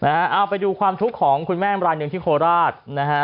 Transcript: เอาไปดูความทุกข์ของคุณแม่มรายหนึ่งที่โคราชนะฮะ